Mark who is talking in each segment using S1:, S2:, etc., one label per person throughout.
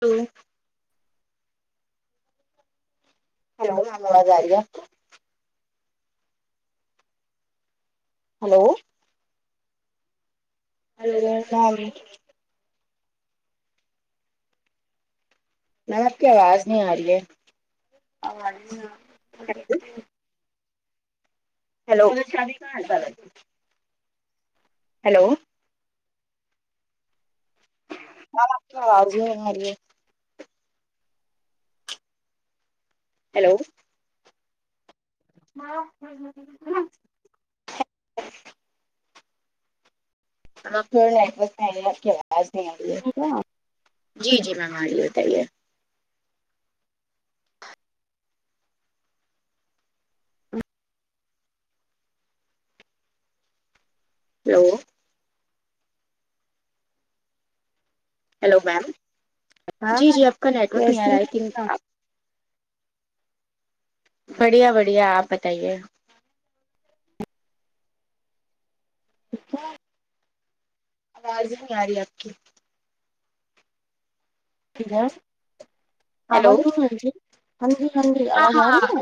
S1: تو ہیلو آواز آرہی آپ کو ہلو ہیلو [unintelligible] میم آپ کی آواز نہیں آ رہی ہے
S2: اب آری نہ
S1: [unintelligible] ہیلو شی [unintelligible] ہیلو میم آپ کی آواز ہی نہیں آری ہے ہیلو ہاں [unintelligible] میںم آپ کو نیٹورک نہیں ہے آپ کی آواز نہیں آرہی ہے جی جی میم آ رہی ہے بتائیے ہیلو ہیلو میم جی جی آپ کا نیٹورک نہیں آ رہا
S2: کیسی ہے
S1: ہےلیکن آپ بڑھیا بڑھیا آپ بتائیے
S2: اچھا
S1: آواز نہیں آ رہی آپ کی
S2: ٹھیک ہے
S1: ہیلو
S2: آواز ہاں جی ہاں جی ہاں جی
S1: ہاں
S2: آواز
S1: ہاں
S2: آ رہی ہے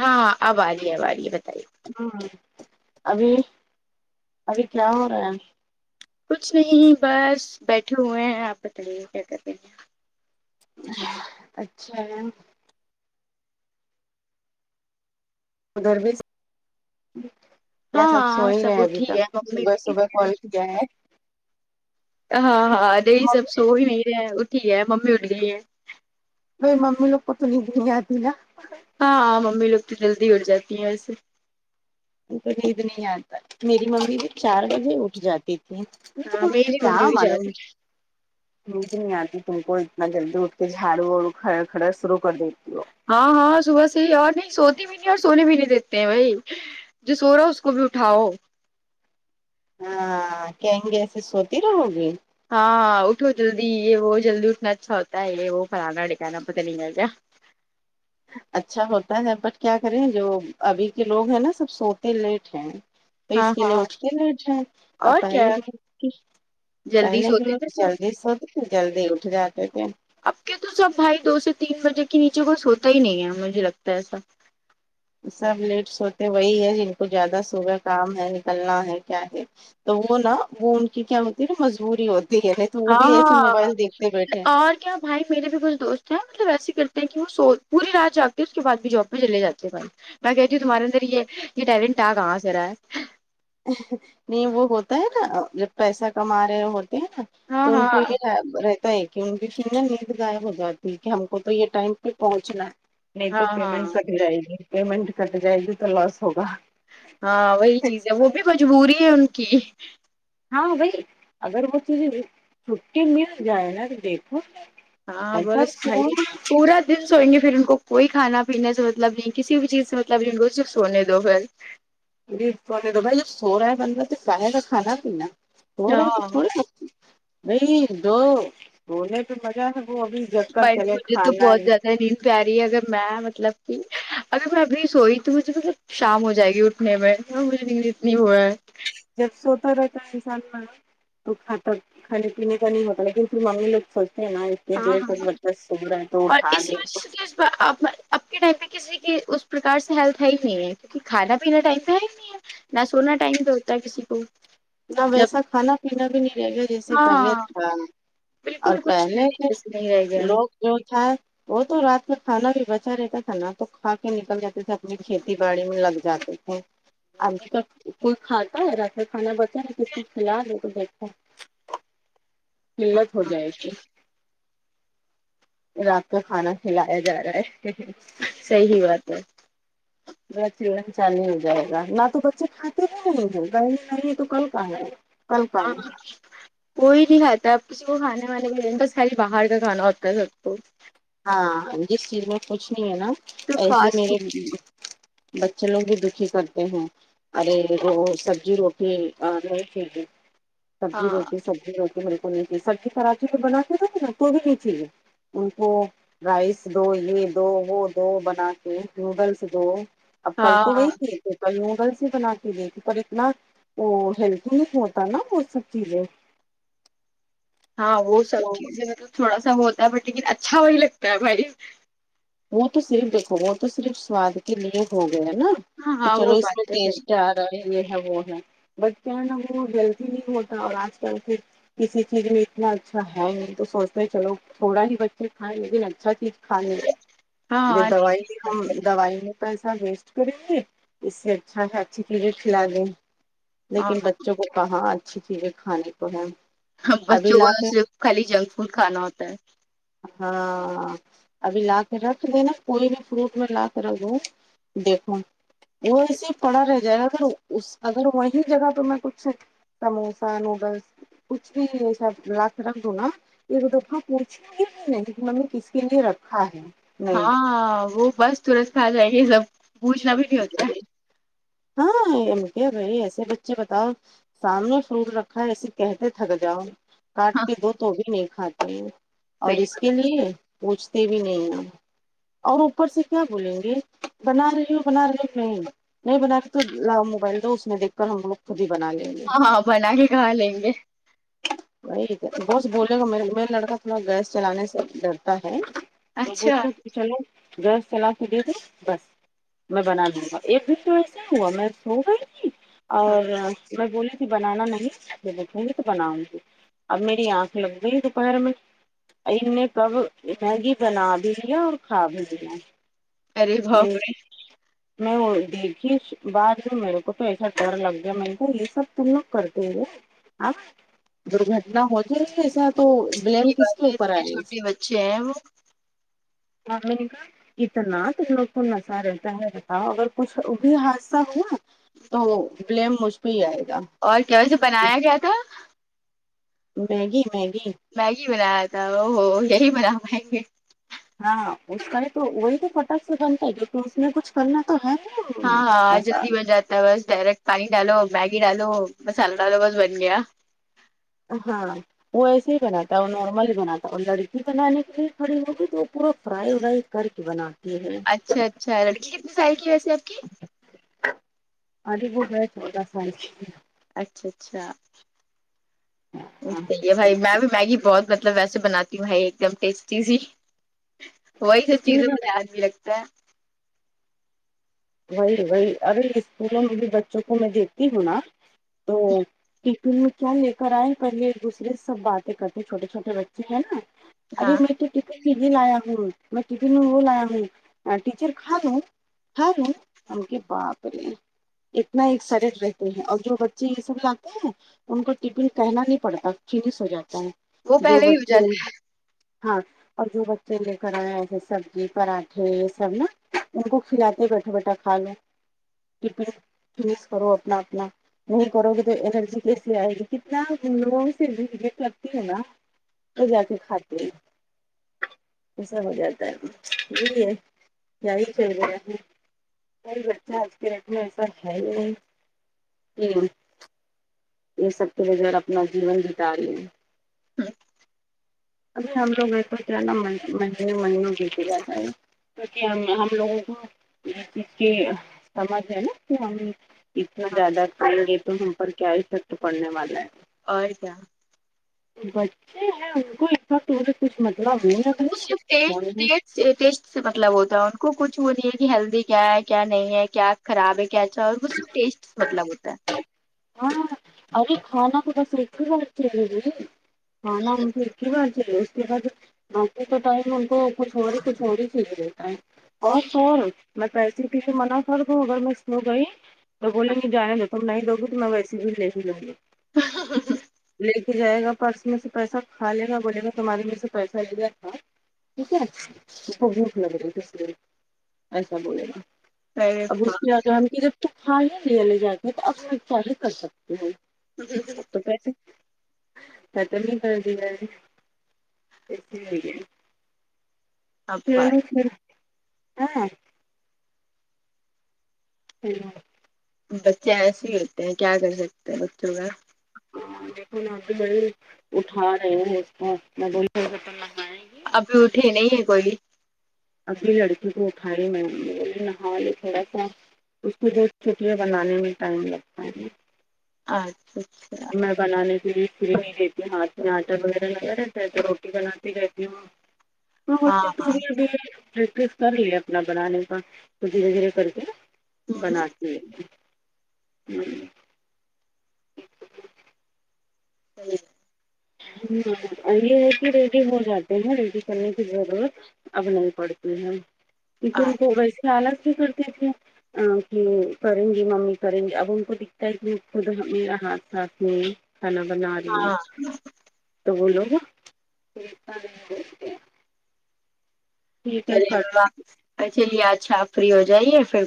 S1: ہاں ہاں آب آ رہی ہے آب آ رہی ہے بتائیے
S2: ہ ابھی ابھی کیا ہو رہا ہے
S1: کچھ نہیں بس بیٹھے ہوئے ہیں آپ بتائیے کیا کر رہی گے
S2: اچھا ادھر بھی کیا
S1: ہاں
S2: سب سو
S1: ہاں
S2: ہی رہے
S1: سب
S2: ہیں ابھی
S1: اٹھی
S2: تک
S1: گئے ممی
S2: صبح
S1: اٹھی
S2: صبح
S1: گئے
S2: کل کیا ہے
S1: ہاں ہاں دی سب سو ہی نہیں رہے اٹھی ہے ممی آٹھ گئ ہے
S2: بی ممی لوگ کو تو نیند نہیں آتی نا
S1: ہاں ممی لوگ تو جلدی اٹھ جاتی ہیں ویسے
S2: تو نیند نہیں آتا میری ممی بھی چار بجے اٹھ جاتی تھی
S1: ہاں میری
S2: کیا
S1: ممی بھی
S2: معلوم
S1: شاید
S2: نیند نہیں آتی تم کو اتنا جلدی اٹھ کے جھاڑو اوھڑ کھڑا شرو کر دیتی ہو
S1: ہاں ہاں صبح سے ہی اور نہیں سوتے بھی نہیں اور سونے بھی نہیں دیتے ہیں بھائی جو سو رہا ہو اس کو بھی اٹھاؤ
S2: ہاں کہیں گے ایسے سوتی رہو گی
S1: ہاں اٹھو جلدی یہ وہ جلدی اٹھنا اچھا ہوتا ہے یہ وہ فلانا ٹکانا پتا نہیں ہے کیا
S2: اچھا ہوتا ہے جب بٹ کیا کریں جو ابھی کے لوگ ہیں نا سب سوتے لیٹ ہیں تو اس
S1: ہاں
S2: کے لیے
S1: ہاں
S2: اٹھتے لر جائ
S1: اور
S2: اپ
S1: کیا
S2: پہلے بھی
S1: جلدی
S2: پہلے کے
S1: سوتے تھے
S2: لوگ
S1: سب
S2: جلدی سوتے تھے جلدی اٹھ جاتے تھے
S1: اب کے تو سب بھائی دو سے تین بجے کے نیچے کوئی سوتا ہی نہیں ہے مجھے لگتا ہے ایسا
S2: سب لیٹ سوتے وہی ہے جن کو زیادہ صبح کام ہے نکلنا ہے کیا ہے تو وہ نا وہ ان کی کیا ہوتی ہے نا مجبوری ہوتی ہے تو وہ بھی
S1: ہاں
S2: ایسے موبائل دیکھتے بیٹھے ہیں
S1: ہاں اور کیا بھائی میرے بھی کچھ دوست ہیں مطلب ایسے کرتے ہیں کہ وہ سو پوری رات جاگتے اس کے بعد بھی جاب پہ چلے جاتے ہیں بھائی میں کہتی تمہارے اندر یہ ٹیلنٹ آ کہاں سے رہا ہے
S2: نہیں وہ ہوتا ہے نا جب پیسہ کما رہے وہ ہوتے ہیں نا
S1: ہاں
S2: تو ان کو ہی
S1: ہاں
S2: رہتا ہے کہ ان کی نیند گائب ہو جاتی ہے کہ ہم کو تو یہ ٹائم پہ پہنچنا ہے نہیں تو
S1: ہاں ہاں
S2: پیمنٹ کٹ جائے گی پیمنٹ کٹ جائے گی تو لاس ہوگا
S1: ہاں وہی چیز ہے وہ بھی مجبوری ہے ان کی
S2: ہاں بھائی اگر وہ تجے چھٹی مل جائے نا تو دیکھو
S1: ہاں
S2: ایسا
S1: بس بھائی
S2: سو
S1: پورا دن سوئیں گے پھر ان کوئی کھانا پینے سے مطلب نہیں کسی بھی چیز سے مطلب نہیں ان کو صرف سونے دو پھر
S2: یہ دو بھائی جب سو رہا ہے بندا رہا تو پاہے گا کھانا پینا سو رہا ہے تو
S1: ہاں
S2: تھوڑے ب نہیں دو رونے تو مزہ ہے وہ ابھی جگ کر
S1: بھائی
S2: چلے
S1: مجھے تو
S2: کھانا
S1: بہت
S2: ہے
S1: زیادہ نیند پیاری ہے اگر میں مطلب کہ اگر میں ابھی سوئی تو مجھے مطلب شام ہو جائے گی [unintelligible]
S2: جب سوتا رہتا ہے انسان میں تو کھاتا کھانے پینے کا نہیں ہوتا لیکن پھر ممی لوگ سوچتے ہیں نا یہ
S1: ہاں
S2: دیر تک لڑکا سو رہا تو اٹھا دے لاؤ
S1: آپ اب کے ٹائم پہ کسی کی اس پرکار سے ہیلتھ ہے ہی نہیں ہے کیونکہ کھانا پینے ٹائم پہ ہے ہی نہیں ہے نہ سونا ٹائم پہ ہوتا ہے کسی کو
S2: نہ
S1: جب
S2: ویسا کھانا پینا بھی نہیں رہے گا جیسے پہلے
S1: ہاں
S2: تھا اور
S1: بالکل کچھ
S2: پہلے
S1: جیسے نہیں رہ گیا
S2: لوگ
S1: ہے،
S2: جو تھا وہ تو رات میں کھانا بھی بچا رہتا تھا نا تو کھا کے نکل جاتا اپنی کھیتی باڑی میں لگ جاتے تھے ابھی کا کوئی کھاتا ہے رات کھانا ب کھلا دو تو دیکھو کلت ہو جائے گی رات کو کھانا کھلایا جا رہا ہے
S1: صحیح بات ہے
S2: بچڑن چالی ہو جائے گا نہ تو بچے کھاتے ہی کہ نہیں تو کل کہاں کل کہاں
S1: ہاں
S2: ہے
S1: کوئی نہیں کھاتا ہے آپ کسی کو کھانے وانے کے بس خالی باہر کا کھانا ہوتا ہے سب کو
S2: ہاں جس چیز میں کچھ نہیں ہے نا
S1: تو
S2: ایسے
S1: فاسٹ
S2: میرے
S1: فوڈ
S2: بچے لوگ ہی دکھی کرتے ہیں ارے وہ سبزی روٹی نہیں س سبزی
S1: ہاں
S2: روٹی سبزی روٹی بلکل نہیں چاہیے سبزی پراٹھے بناتے ہے نا تو بھی نہیں چاہیے ان کو رائس دو یہ دو وہ دو بنا کے نوڈلس دو اب کل تو
S1: ہاں
S2: وہی تھی نوڈلس ہی بنا کے دیتی پر اتنا وہ ہیلھتی نہیں ہوتا نا وہ سب چیزیں
S1: ہاں وہ سب
S2: تو
S1: چیزیں مطلب تھوڑا سا وہ ہوتا ہے بٹ لیکن اچھا وہی لگتا ہے بھائی
S2: وہ تو صرف دیکھو وہ تو صرف سواد کے لیے ہو گیا نا
S1: ہاں
S2: کہ
S1: ہاں
S2: چلو
S1: وہ
S2: اس میں
S1: بات تو
S2: ٹیسٹ
S1: صحیح
S2: آ یہ ہے وہ ہے بٹ کیا ہے نا وہ جلدی نہیں ہوتا اور آج کل پھر کسی چیز میں اتنا اچھا ہے نہیں تو سوچتے چلو تھوڑا ہی بچے کھائیں لیکن اچھا چیز کھا لے
S1: ہے، ہاں ہاں
S2: ج
S1: نہیں
S2: دوائی بھی
S1: صحیح
S2: ہم
S1: بات ہے،
S2: دوائی میں پیسہ ویسٹ کریں گے اس سے اچھا سے اچھی چیزیں کھلا دیں
S1: ہاں
S2: لیکن بچوں کو کہاں اچھی چیزیں کھانے کو ہے ابھی
S1: بچوں کو
S2: لا کے
S1: صرف خالی جنک فوڈ کھانا ہوتا ہے
S2: ہاں ابھی لاک رکھ دینا کوئی بھی فروٹ میں لا کر رکھ دو دیکھو وہ ایسے ہی پڑا رہ جائے گا اگر اس اگر وہی جگہ پہ میں کچھ سموسا نوڈلس کچھ بھی ایسا لا کے رکھ دو نا ایک دفعہ پوچھی گی نے ہم نے کس کے لیے رکھا ہے نہیں
S1: ہاں وہ بس ترنت کھاں جائے گے یہ سب پوچھنا بھی نہیں ہوتا
S2: ہاں کیا بھائی ایسے بچے بتاؤ سامنے فروٹ رکھا ہے ایے کہتے تھک جاؤ کاٹ
S1: ہاں
S2: کے دو تو بھی نہیں کھاتے ہیں اور
S1: صحیح
S2: اس کے لیے پوچھتے بھی نہیں ہیں اور اوپر سے کیا بولیں گے بنا رہی ہ ہو بنا رہی ہو نہیں نہیں بنا کے تو لا موبائل دو اس میں دیکھ کر ہم لوگ خود ہی بنا لیں گے
S1: ہاں ہاں بنا کے کھا لیں گے
S2: وہی بس بولے گا میرا لڑکا تھوڑا گیس چلانے سے ڈرتا ہے تو بولے
S1: اچھا
S2: گا چلو گیس چلا کے دے دو بس میں بنا دوں گا ایک پھر تو ایسا ہوا میں سو گئی تھی اور میں بولی تھی بنانا نہیں جب اٹھوں گی تو بناؤں گی اب میری آنکھ لگ گئی ہے دوپہر میں ان نے کب میگی بنا بھی دیا اور کھا بھی دیا
S1: ارے باب رہے
S2: میں وہ دیکھی بعد میں میرے کو تو ایسا ڈر لگ گیا مینے کہاں تو یہ سب تم لوگ کرتےے ہاں درگھٹنا ہو جائے ایسا تو بلیم
S1: کی
S2: کس کے
S1: بات ہے
S2: اوپر
S1: اتنے
S2: آیے گا
S1: چھوٹے بچے ہیں وہ
S2: کتنا لوگ کو نشہ رہتا ہے بتاؤ اگر کچھ بھی حادثہ ہوا تو بلیم مجھ پہ ہی آئے گا
S1: اور کیا کہ بنایا کیا تھا
S2: میگی میگی
S1: میگی بنایا تھا او ہو یہی بنا پائیں گے
S2: ہاں اس کا ہی تو وہی تو فٹک سے بنتا ہے جوکہ اس میں کچھ کرنا تو ہے نا
S1: ہاں ہاں جلدی
S2: مسال
S1: بن جاتا بس ڈائریکٹ پانی ڈالو میگی ڈالو مسالا ڈالو بس بن گیا
S2: ہاں وہ ایسے ہی بناتا ہے وہ نارمل بناتا ہے اور لڑکی بنانے کے لیے کھڑی ہوگی تو وہ پورا فرائی ہو رہا کر کے بناان
S1: اچھا اچھا لڑکی کتنی سال کی ویسیے آپ کی
S2: ابھی وہ ہیں چودہ سال کی
S1: اچھا اچھا
S2: ہاں
S1: صحیح ہے بھائی میں بھی میگی بہت مطلب ویسے بناتی ہوںائی ایک دم ٹیسٹی سی وہی سب
S2: اسکول
S1: چیزیں
S2: میں
S1: مجھے یاد بھی لگتا ہے
S2: وہی وہی ابھی اسکولوں میں بھی بچوں کو میں دیکتی ہوں نا تو تم کیا لے کر آئے پہلے ایک دوسرے سے سب باتیں کرتے چھوٹے چھوٹے بچے ہیں نا ابھی
S1: ہاں
S2: میں ٹفن میں یہ لایا ہوں میں ٹفن میں وہ لایا ہوں ٹیچر کھا لوں کھالوں ہم کہے باپ رے اتنا ایکسائڈڈ رہتے ہیں اور جو بچے یہ سب لاتے ہیں ان کو ٹفن کہنا نہیں پڑتا فینس ہو جاتا
S1: وہ
S2: ہے جو
S1: پہلے ہی ہو
S2: بچے
S1: جاتا
S2: ہاں اور جو بچے لے کرایا ایسے سبزی پراٹھے یہ سب نا ان کو کھلاتے بیٹھا بیٹھا کھالو ٹفن فینش کرو اپنا اپنا نہیں کرو گے تو الرجی کیسے آئے گی کتنا لوگوں سے لگتی ہے نا وہ جا کے کھاتے ہیں ایسا ہو جاتا ہے یہی ہے کیا ہی چل گیا ہے بھائی بچہ آج کے ریٹ میں ایسا ہے ہی نہیں کہ یہ سب کے بغیر اپنا جیون جتا لے
S1: ہاں
S2: ابھی ہم لگ م ہے نا مہی مہی بھیچے جاتا ہے [unintelligible] کیونکہ ہم ہم لوگوں کو اس چیز کی سمجھ ہے نا کہ ہم اتنا
S1: ہاں
S2: زیادہ کریں گے تو ہم پر کیا افیکٹ پڑنے والا ہے
S1: اور کیا
S2: بچے ہیں ان کو ان سے کچھ مطلب نہیں نا
S1: [unintelligible] ٹیسٹ سے مطلب ہوتا ہے ان کو کچھ وہ نہیں ہے کہ ہیلدی کیا ہے کیا نہیں ہے کیا خراب ہے کیااچھا اور اس ٹیسٹ مطلب ہوتا ہے
S2: ہاں ارے کھانا کڑا [unintelligible] سھتیی ہاں نا ہم تو ایک ہی بات چاہ اس کے بعد باقی کا ٹائم ان کو کچھ اور ہی کچھ اور ہی چاہیے رہتا ہے اور سر میں پیسے کے لیے منع کر دوں اگر میں سو گئی تو بولیں گی جانے دو تم نہیں دو گی تم ویسی بھی لے ہی لوں گی لے کے جائے گا پرس میں سے پیسہ کھا لے گا بولے گا تمہارے میں سے پیسہ لیا تھا ٹھیک ہے تو بوکھ لگ گے کس ایسا بولے گا
S1: ہے ارے
S2: اب [unintelligible]
S1: جی
S2: تو پیسے تو نہیں کر د گاے
S1: باپ باپ،
S2: [unintelligible] ہوں
S1: بچے ایسے ہی ہوتے ہیں کیا کر سکتے ہیں بچوں کا
S2: ہاں دیکھو اگے بڑے اٹھا رہے اسکو [unintelligible]
S1: ابھی اٹھی نہیں ہے کوئی بھی
S2: اگلی لڑکی کو اٹھاے میں نے بولے نہالے تھوڑا سا اس کو بہ چٹیاں بنانے میں ٹائم لگتا ہے
S1: اچھا اچھا
S2: میں بنانے کے لیے کری نہیں دیتی ہوں ہاتھ میں آٹا وغیرہ لگا رہتا ہے تو روٹی بناتی رہتی ہوں
S1: ہاں
S2: [unintelligible] تو بھی پریکٹس کر لی اپنا بنانے کا تو دھیرے دھیرے کر کے
S1: ہاں
S2: بنا جی جی ہمم
S1: سہی ہے
S2: یہ ہے کہ ریڈی ہو جاتے ہیں ریڈی کرنے کی ضرورت اب نہیں پڑتی ہیں کیونکہ ان
S1: ہاں
S2: کو ویسے الگ بھی کرتے تھے ا کہ کریں گی ممی کریں گی اب ان کو دکھتا ہے کہ خود میرا ہاتھ ساتھ میں کھانا بنا رہی ہیں
S1: ہاں
S2: تو بولو گا ٹھیک ہے
S1: چلیے
S2: کٹ
S1: بابا چلیے اچھا آپ فری ہو جائیے پھر